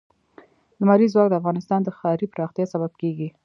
لمریز ځواک د افغانستان د ښاري پراختیا سبب کېږي.